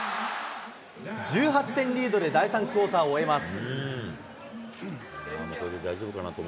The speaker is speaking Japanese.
１８点リードで第３クオーターを終えます。